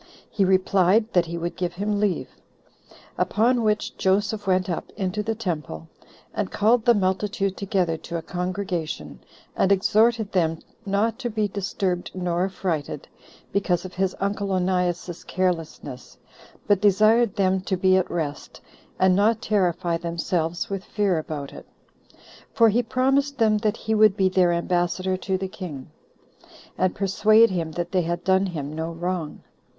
He replied, that he would give him leave. Upon which Joseph went up into the temple, and called the multitude together to a congregation, and exhorted them not to be disturbed nor affrighted, because of his uncle Onias's carelessness, but desired them to be at rest, and not terrify themselves with fear about it; for he promised them that he would be their ambassador to the king, and persuade him that they had done him no wrong.